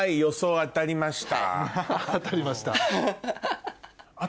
当たりました？